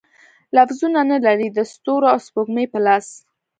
لفظونه، نه لري د ستورو او سپوږمۍ په لاس